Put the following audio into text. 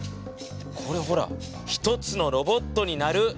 これほら一つのロボットになる。